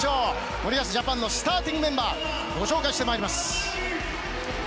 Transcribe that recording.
森保ジャパンのスターティングメンバーを紹介します。